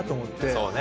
そうね。